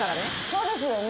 そうですよね？